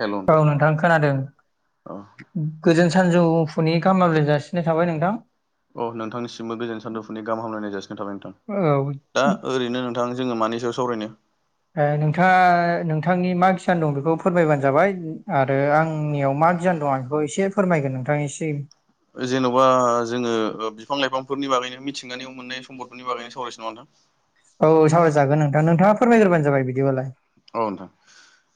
Hello औ नोंथां खोनादों औ गोजोन सानजौफुनि गाहाम माब्रै जासिननाय थाबाय नोंथां औ नोंथांनिसिमबो गोजोन सानदुंफोरनि गाहामलायनाय जासिगोन थाबाय नोंथां औ दा ओरैनो नोंथां जोङो मानि सायाव सावरायनो नोंथाङा नोंथांनि मा किसान दं बेखौ फोरमायबानो जाबाय आरो आंनियाव मा गियान दं आं बेखौ एसे फोरमायगोन नोंथांनिसिम [unintelligible] जेन'बा जोङो बिफां लाइफांफोरनि बागैनो मिथिंगानि मोननाय सम्पदफोरनि बागैनो सावरायसै नङा नोंथां औ सावरायागोन नोंथां नोंथाङा फोरमायग्रोबा जाबाय बिदिलाय औ नोंथां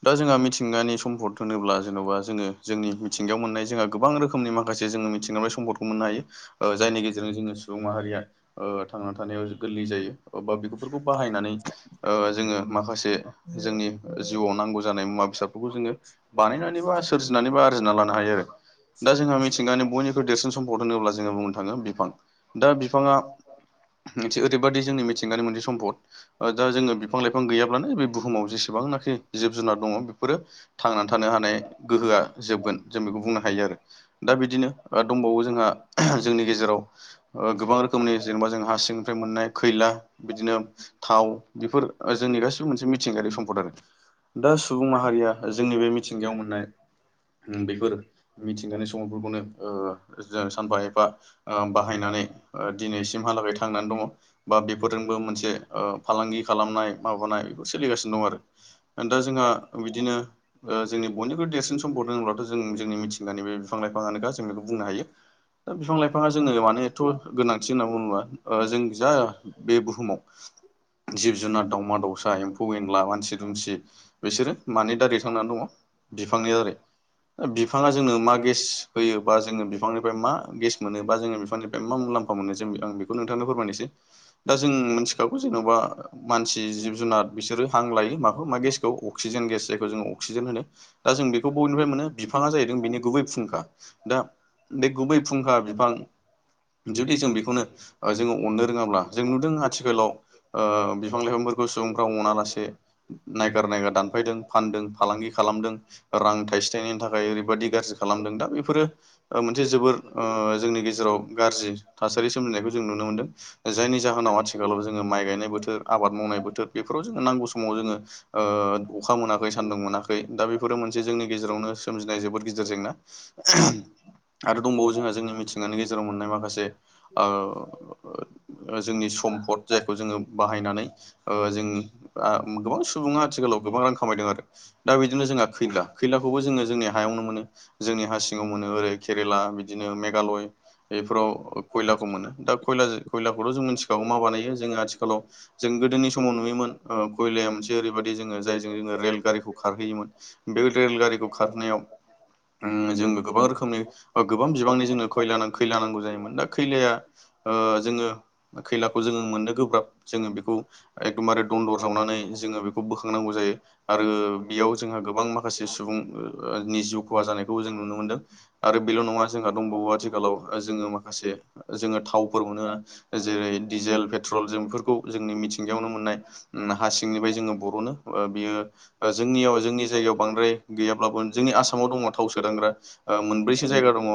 दा जोंहा मिथिंगानि सम्फद होनोब्ला जेन'बा जोङो जोंनि मिथिंगायाव मोननाय जोंहा गोबां रोखोमनि मा मासे जोङो मिथि जेन'बा सम्पदखौ मोननो हायो ए जायनि गेजेरजों जोङो सुबुं माहारिया ओ थांनानै थानायाव गोरलै जायो बा बेफोरखौ बाहायनानै जोङो माखासे जोंनि जिउआव नांगौ जानाय मुवा बेसादफोरखौ जोङो बानायनानैबा सोरजिनानै बा आरजिना लानो हायो आरो दा जोंहा मिथिंगानि बयनि बेखौ देरसिन सम्पद होनोब्ला जोङो बुंनो थाङो बिफां दा बिफाङा मोनसे ओरैबादि जोंनि मिथिंगानि मोनसे सम्पद दा जो बिफां लाइ फां गैयाब्लानो बे बुहुमाव जेसेबांनाखि जिब जुनार दङ बेफोरो थांनानै थानो हानाय गोहोआ जोबगोन जों बेखौ बुंनो हायो आरो दा बिदिनो दंबावो जोंहा जोंनि गेजेराव गोबां रोखोमनि जेनेबा जों हार सिंनिफ्राय मोननाय खैला बिदिनो थाव बेफोर जोंनि गासिबो मोनसे मिथिंगायारि सम्पद आरो दा सुबुं माहारिया जोंनि बे मिथिंगायाव मोननाय उम बेफोर मिथिंगानि सम्पदफोरखौनो ओ जों सानफा एफा बाहायनानै दिनैसिमहालागै थांनानै दङ बा बेफोरजोंबो मोनसे ओ फालांगि खालामनाय माबानाय बेखौ सोलिगासिनो दं आरो दा जोंहा बिदिनो जोंनि बयनिख्रुइ देरसिन समफोरदोंब्ला जों जोंनि मिथिंगानि बे बिफां लाइफाङानोखा जों बेखौ बुंनो हायो दा बिफां लाइफाङा जोङनो माने एथ' गोनांथि होनना बुङोब्ला जों जा बे बुहुमाव जिब जुनार दं दावमा दावसा एम्फौ एनला मानसि दुमसि बिसोरो मानि दारै थांनानै दङ बिफांनि दारै बिफाङा जोंनो मा गेस होयो बा जोङो बिफांनिफ्राय मा गेस मोनो बा जोङो बिफांनिफ्राय मा मुलाम्फा मोनो जों आं बेखौ नोंथांनो फोरमायनोसै दा जों मिथिखागौ जेन'बा मानसि जिब जुनार बिसोर हां लायो माखौ मा गेसखौ अक्सिजेन गेस जायखौ जोङो अक्सिजेन होनो दा जों बेखौ बयनिफ्राय मोनो बिफाङा जाहैदों बेनि गुबै फुंखा दा बे गुबै फुंखा बिफां जुदि जों बेखौनो जोङो अननो रोङाब्ला जों नुदों आथिखालाव बिफां लाइफांफोर बे सुबुंफ्रा अनालासे नायगार नायगार दानफायदों फानदों फालांगि खालामदों रां थायसे थायननायनि थाखाय ओरैबादि गाज्रि खालामदों दा बे बेफोरो मोनसे जोबोर जोंनि गेजेराव गाज्रि थासारि सोमजिनायखौ जों नुनो मोनदों जायनि जाहोनाव आथिखालाव जोङो माइ गायनाय बोथोर आबाद मावनाय बोथोर बेफोराव जोङो नांगौ समाव जोङो अखा मोनाखै सान्दुं मोनाखै दा बेफोरो मोनसे जोंनि गेजेरावनो सोमजिनाय जोबोद गिदिर जेंना [inaudible] आरो दंबावो जोंहा जोंनि मिथिंगानि गेजेराव मोननाय माखासे जोंनि सम्फद जायखौ जोङो बाहायनानै [unintelligible] ओ जोंथ जों गोबां सुबुङा नङा आथिखालाव गोबां रां खामायनो खामायदों आरो दा बिदिनो' जोंहा खैला फेलाबो खैलाखौबो जोङो जोंनि हायावनो मोनो हायोन जोंनि हा सिङाव मोनो ओरै फेला केरेला बिदिनो मेगालय मेघालय [unintelligible] बेबो बेफोराव आंयाव खयलाखौ मोनो दा खयला खयलाखौथ' जों मिथिखागौ मा माबानाय बानायो जोङो जोो आथिखालाव फलाव जों गोदोनि जोंबो [unintelligible] समाव नुयोमोन ओ खयलाया मोनसे ओरैबायदि जोङो जायजों जोङो रेलगारिखौ खारहोयोमोन बे रेल गारिखौ रेलगारिखौ खारनायाव खारहोनायाव ओम उम जोङो जों गोबां रोखोमनि बा गोबां बिबांनि जोंनो खय खैला नांगौ जायोमोन दा खैलाया जोङो खैलाखौ जोङो मोननो गोब्राब जोङो बेखौ एकदमबारे दनन्दर जावनानै जोङो बेखौ बोखांनांगौ जायो आरो बेयाव जोंहा गोबां मा माखासे सुबुंनि जिउ खहा जानायखौबो जों नुनो मोनदों आरो बेल' नङा जोंहा दंबावो आथिखालाव जोङो माखासे जोङो थावफोर मोनो जेरै डिजेल पेट्रल जों बेफोरखौ जोंनि मिथिं सिंगायावनो मोननाय हा सिंनिफ्राय जोङो बर'नो बियो जोंनियाव जोंनि जायगायाव बांद्राय गैयाब्लाबो जोंनि आसामाव दङ थाव सोदांग्रा मोनब्रैसो जायगा दङ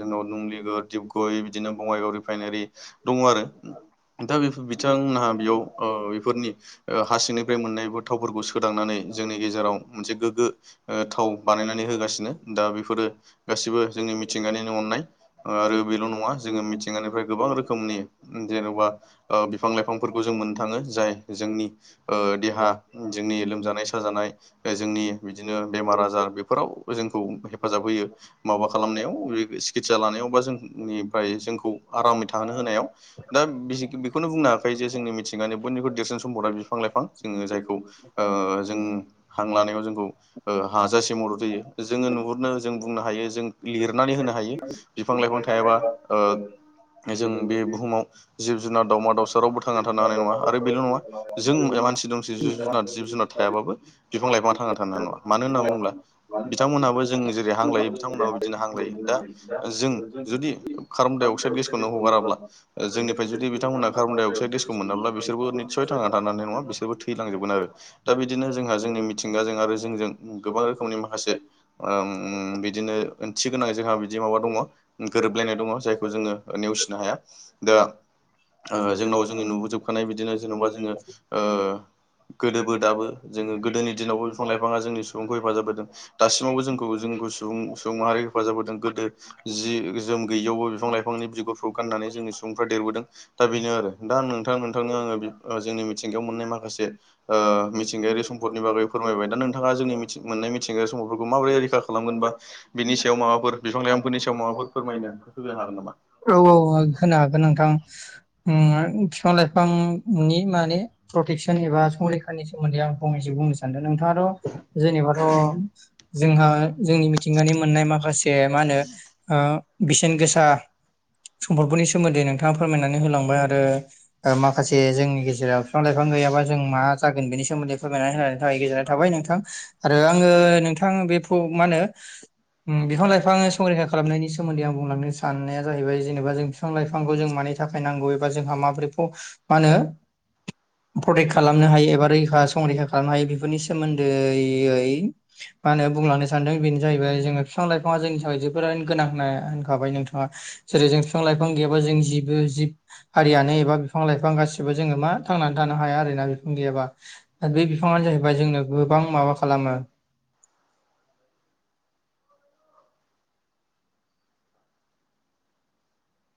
जोंनाव नुंलिगुर डपगय बिदिनो बङाइगाव रिफाइनारि दङ आरो दा बेफोर बिथांमोनहा बेयाव बेफोरनि हारसिंनिफ्राय मोननायबो थावफोरखौ सोदांनानै जोंनि गेजेराव मोनसे गोग्गो थाव बानायनानै होगासिनो दा बेफोरो गासिबो जोंनि मिथिंगानिनो अननाय आरो बेल' नङा जोङो मिथिंगानिफ्राय गोबां रोखोमनि जेन'बा बिफां लाइफांफोरखौ जों मोननो थाङो जाय जोंनि देहा जोंनि लोमजानाय साजानाय जोंनि बिदिनो बेमार आजार बेफोराव जोंखौ हेफाजाब होयो माबा खालामनायाव बे सिकित्सा लानायाव बा जोंनिफ्राय जोंखौ आरामै थाहोनो होनायाव दा बेखौनो बुंनो हायाखै जे जोंनि सिंनो बयनिख्रुइ देरसिन सम्पदा बिफां लाइफां जों जायखौ जों हां लानायाव जोंखौ हाजासे मदद होयो जोङो नुहुरनो जों बुंनो हायो जों लिरनानै होनो हायो बिफां लाइफां थायाबा जों बे बुहुमाव जिब जुनार दावमा दावसा रावबो थांना थानो हानाय नङा आरो बेल नङा जों मानसि दंसे जिब जुनार जिब जुनार थायाबाबो बिफां लाइफां थांना थ नङा मानो होनना बुङोब्ला बिथांमोनहाबो जों जेरै हां लायो बिथांन बिदिनो हांलायो दा जों जुदि कार्बन डाइ अक्साइद गेसखौनो हगाराब्ला जोंनिफ्राय जुदि बिथांमोना कार्बनडाइ अक्साइड गेसखौ मोनाब्ला बिसोरबो निस्सय थांना थांनानै नङा बिसोरबो थैलांजोबगोन आरो दा बिदिनो जोंहा जोंनि मिथिंगाजों आरो जोंजों गोबां रोखोमनि माखासे बिदिनो ओंथि गोनां जोंहा बिदि माबा दङ गोरोबलायनाय दङ जायखौ जोङो नेवसिनो हाया दा जोंनाव जोङो नुबोजोबखानाय बिदिनो जेनबा जोङो गोदोबो दाबो जोङो गोदोनि दिनावबो बिफां लाइफाङा जोंनि सुबुंखौ हेफाजाब होदों दासिमावबो जोंखौ जोंखौ सुबुं सुबुं माहारि हेफाजाब होदों गोदो जि जोम गैयियावबो बिफां लाइफांनि बिगुरफोरखौ गाननानै जोंनि सुबुंफ्रा देरबोदों दा बेनो आरो दा नोंथां नोंथांनो आङो जोंनि मिथिंगायाव मोननाय माखासे मिथिंगायारि सम्पदनि बागै फोरमायबाय दा नोंथाङा जोंनि मिथि मोननाय मिथिंग्रा समफोरखौ माबोरै रैखा खालामगोन बा बिनि सायाव फोरा माबाफोर बिफां लाइफांफोरनि सायाव माबाफोर फोरमायनो होनो हागोन नामा? औ औ खोना नोंथां बिफां लाइफांनि माने प्रटेकसन एबा नि सोमोन्दैं फंनैसो बुंनो सानदों नोंथाङाथ जेनेबाथ जोंहा जोंनि मिथिंगानि मोननाय माखासे मा होनो बेसेन गोसा सम्पदफोरनि सोमोन्दै नोंथाङा फोरमायनानै होलांबाय आरो माखासे जोंनि गेजेराव बिफां लाइफां गैयाबा जों मा जागोन बेनि सोमोन्दै फोरमायनानै होन थाखाय गोजोननाय थाबाय नोंथां आरो आङो नोंथां बे मा होनो बिफां लाइफां संरैखा खालामनायनि सोमोन्दै आं बुंलांनो साननाया जाहैबाय जेनेबा जों बिफां लाइफांखौ जों मानि थाखाय नांगौ एबा जोंहा माबोरैखौ मा होनो प्रटेक्ट खालामनो हायो एबा रैखा संरैखा खालामनो हायो नि सोमोन्दै मा होनो बुंलांनो सानदों बेनो जाहैबाय जोङो बिफां लाइफाङा जोंनि थाखाय जोबोर गोनां होनना होनखाबाय नोंथाङा जेरै जों बिफां लाइफां गैयाबा जों जिबो जिब हारियानो एबा बिफां बिफां लाइफां गासिबो जोङो मा थांनानै थानो हाया आरोोना बिफां गैयाबा दा बे बिफाङानो जाहैबाय ओमफ्राय जोंनो गोबां माबा खालामो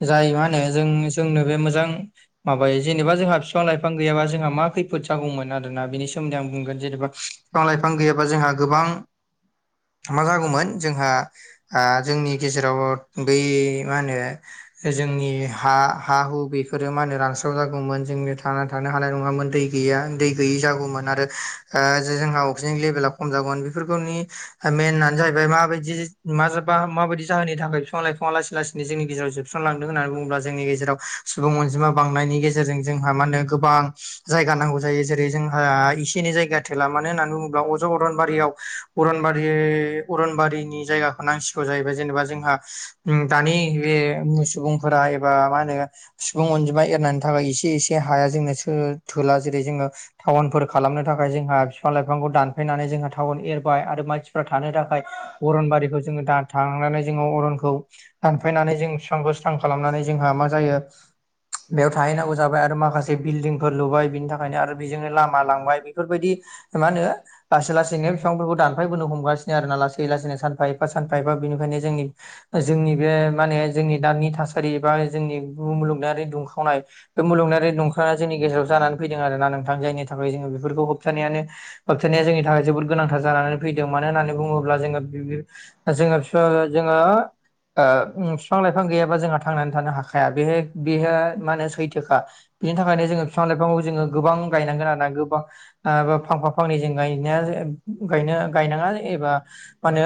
जाय मा होनो जों जोंनो बे मोजां माबायो जेनेबा जोंहा बिफां लाइफां गैयाबा जोंहा मा खैफोद जागौमोन आरोना बेनि सोमोन्दै आं बुंगोन जेनेबा बिफां लाइफां गैयाबा जोंहा गोबां मा जागौमोन जोंहा जोंनि गेजेराव बै मानो जोंनि हा हा हु बेफोरो मा होनो रानस्राव जागौमोन जोंनो थांना थानो हानाय नङामोन दै गैया दै गैयै जागौमोन आरो जोंहा अक्सिजेन लेभेला खम जागौमोन बेफोरखौनि मेनानो जाहैबाय माबायदि मा जाबा माबायदि जाहोननि थाखाय बिफां लाइफाङा लासै लासैनो जोंनि गेजेराव जोब सुसनलांदों होननानै बुङोब्ला जोंनि गेजेराव सुबुं अनजिमा बांनायनि गेजेरजों जोंहा मा होनो गोबां जायगा नांगौ जायो जेरै जोंहा एसे एनै जायगा थेला मानो होननानै बुङोब्ला अज' अरनबारियाव अरनबारि अरनबारिनि जायगाखौ नांसिगौ जाहैबाय जेनेबा जोंहा दानि बे सुबुंफोरा एबा मा होनो सुबुं अनजिमा एरनायनि थाखाय एसे एसे हाया जोंनो थोला जेरै जोङो टाउनफोर खालामनो थाखाय जोंहा बिफां लाइफांखौ दानफैनानै जोंहा टाउन एरबाय आरो मानसि थानो थाखाय अरन बारिखौ जोङो थांनानै जोङो अरनखौ दानफायनानै जों बिफांखौ बो स्रां खालामनानै जोंहा मा जायो बेयाव थाहैनांगौ जाबाय आरो माखासे बिल्डिंफोर लुबाय बिनि थाखायनो आरो बेजोंनो लामा लांबाय बेफोरबायदि मा होनो लासै लासैनो बिफांफोरखौ दानफायबोनो हमगासिनो आर ना लासै लासैनो सानफा एफा सानफा एफा बिनिफ्रायायनो जोंनि जोंनि बे माने जोंनि दानिानि थासारि बा जोंनि मुलुगनारि दुंखावनाय बे मुलुगारि दंखा जोंनि गेजेराव जानानै फैदों आरोना नोंथां जायनि थाखाय जोङो बेफोरखौ होबथानायानो होबथानाया जोंनि थाखाय जोबोद गोनांथार जानानै फैदों मानो होननानै बुङोब्ला जोङो जोंहा बि जोङो बिफां लाइफां गैयाबा जोंहा थांनानै थानो हाखाया बेह बेहा मा होनो सैथोखा बिनि थाखायनो जोङो बिफां लाइफांखौ जोङो गोबां गायनांगोन आरोना गोबां फांफा फांनै जों गायनायनो गायनाङा एबा मा होनो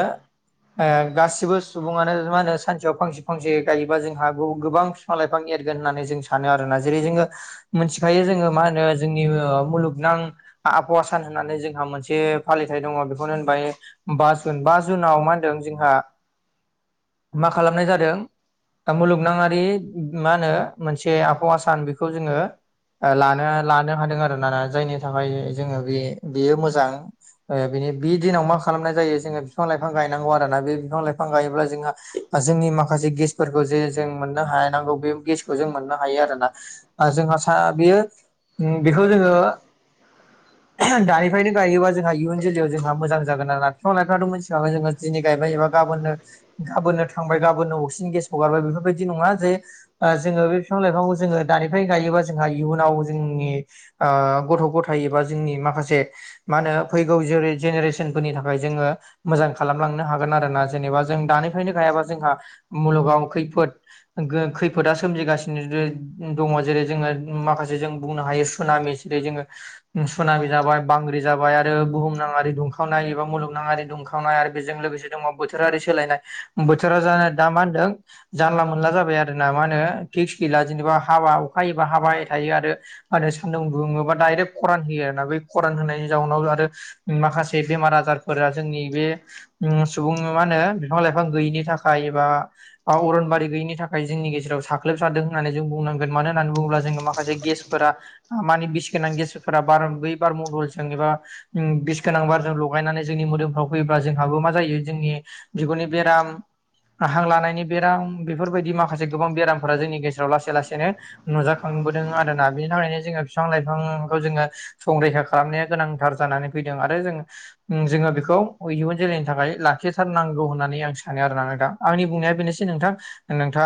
गासिबो सुबुङानो मा होनो सानसेयाव फांसे फांसे गायोबा जोंहा गोबां बिफां लाइफां एरगोन होननानै जों सानो आरोना जेरै जोङो मोनथिखायो जोङो मा होनो जोंनि मुलुगनां आबहावा सान होननानै जोंहा मोनसे फालिथाय दङ बेखौनो होनबाय बा जुन बा जुनाव मा होनदों जोंहा मा खालामनाय जादों दा मुलुगनाङारि मा होनो मोनसे आबहावा सान बेखौ जोङो लानो लानो हादों आरो ना जायनि थाखाय जोङो बे बेयो मोजां बिनि बि दिनाव मा खालामनाय जायो जोङो बिफां लाइफां गायनांगौ आरोना बे बिफां लाइ फां गायोब्ला जोंहा जोंनि मा माखासे गेसफोरखौ जे जों मोननो हानांगौ बे गेसखौ जों मोननो हायो आरोना जोंहा सा बेयो बेखौ जोङो दानिफ्रायनो गायोबा जोंहा इयुन जोलै जोंहा मोजां जागोन आरो ना बिफां लाइफाङाव मिथिखाबाय दिनै गायबाय गाबोननो गाबोननो थांबाय गा बोननो अक्सिजेन गेसखौ हरबाय बेफोरबायदि नङा जे जोङो बे बिफां लाइफांखौ जोङो दानिफ्राय गायोबा जोंहा इयुनाव जोंनि ओ गथ' गथाय एबा जोंनि माखासे मा होनो फैगौ जे जेनेरेसन रेसन फोरनि थाखाय जोङो मोजां खालामलांनो हागोन आरो ना जेनेबा जों दानिफ्रायनो गायाबा जोंहा मुलुगाव खैफोद खैफोदा सोमजिगासिनो दङ जेरै जोङो माखा जों बुंनो हायो सामि जेरै जोङो सुनामि जाबाय बांग्रि जाबाय आरो बुहुमनाङारि दुं खावनाय एबा मुलुगनाङारि दुंखावनाय आरो बेजों लोगोसे दङ बोथोरारि सोलायनाय बोथोरा जानो दा मा होनदों जानला मोनला जाबाय आरो ना मा होनो फिक्स गैला जेनेबा हाबा होबा हाबाय थायो आरो सान्दुं बुङोबा डाइरेक्ट खरान होयो आरोना बे खरान होनायनि जाउनाव आरो माखासे बेमार आजारफोरा जोंनि बे सुबुं मा होनो बिफां लाइ फां गैयिनि थाखाय अरनबारि गैयिनि थाखाय जोंनि गेजेराव साग्लोबसारदों होननानै जों बुंनांगोन मानो होननानै बुङोब्ला जोङो माखासे गेसफोरा मानि बिसि गोनां गेसफोरा बार बै बार मण्डलजों एबा बिस गोनां बारजों लगायनानै जोंनि मोदोमफ्राव फैयोब्ला जोंहाबो मा जायो जोंनि बिगुरनि बेराम हां लानायनि बेराम बेफोरबायदि माखासे गोबां बेरामफोरा जोंनि गेजेराव लासै लासैनो नुजाखांबोदों आरोना बिनि थाखायनो जोङो बिफां लाइफांखौ जोङो संरैखा खालामनाया गोनांथार जानानै फैदों आरो जों जोङो बेखौ इयुन जोलैनि थाखाय लाखिथारनांगौ होननानै आं सा सानो आरो ना नों थां आंनि बुंनाया बेनोसै नोंथां नोंथां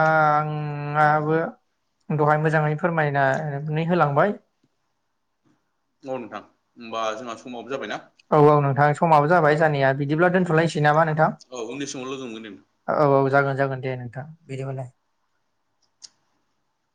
आङाबो दहाय मोजाङै फोरमायनानै होलांबाय औ नोंथां होमबा जोंहा समाबो जाबायना [unintelligible] औ औ नोंथां समाबो जाबाय जानाया बिदिब्ला दोनथ'लायसै नामा नोंथां औ उननि समाव लोगो मोनगोन औ औ जागोन जागोन दे नोंथां बिदिबालाय